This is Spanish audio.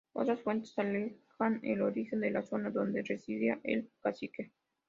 Otras fuentes alegan el origen a la zona donde residía el cacique.